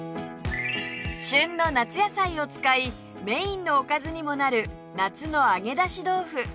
旬の夏野菜を使いメインのおかずにもなる夏の揚げ出し豆腐